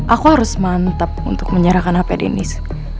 aku harus mantap untuk menyerahkan hp deniz